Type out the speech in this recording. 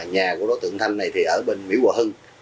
nhà của đối tượng thanh này thì ở bên mỹ hòa hưng